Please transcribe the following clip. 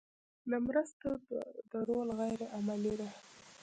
د مرستو درول غیر عملي دي.